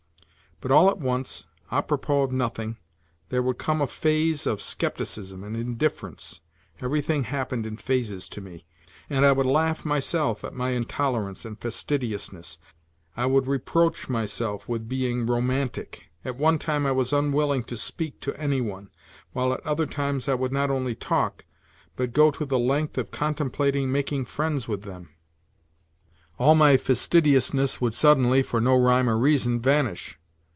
But all at once, a propos of nothing, there would come a phase of scepticism and indifference (every thing happened in phases to me), and I w r ould laugh myself at my intolerance and fastidiousness, I would reproach myself with being romaitfic' At one time I was unwilling to speak to any one, while at other time* I would not only talk, but go to 84 NOTES FROM UNDERGROUND the length of contemplating making friends with them. All my fastidiousness would suddenly, for no rhyme or reason, vanish.